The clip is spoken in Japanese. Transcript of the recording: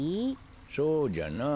そうじゃなあ。